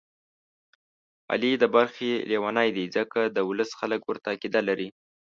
علي د برخې لېونی دی، ځکه د ولس خلک ورته عقیده لري.